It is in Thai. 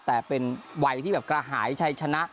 แต่เป็นวัยที่แบบกระหายชัยชนะ